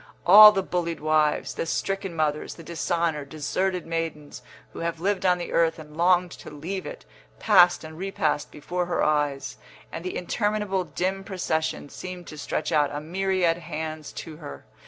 All the bullied wives, the stricken mothers, the dishonoured, deserted maidens who have lived on the earth and longed to leave it, passed and repassed before her eyes, and the interminable dim procession seemed to stretch out a myriad hands to her.